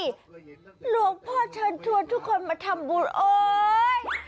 หลวงพ่อเชิญชวนทุกคนมาทำบุญโอ๊ย